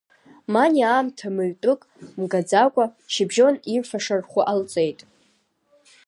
Маниа аамҭа мыҩтәык мгаӡакәа, шьыбжьон ирфаша рхәы ҟалҵеит.